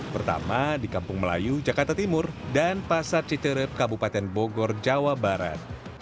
pertama di kampung melayu jakarta timur dan pasar citerep kabupaten bogor jawa barat